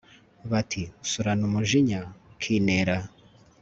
ati surana umujinya ukinera